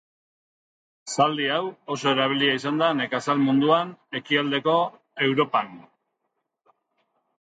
Zaldi hau oso erabilia izan da nekazal munduan Ekialdeko Europan.